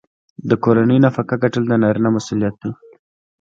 د کورنۍ نفقه ګټل د نارینه مسوولیت دی.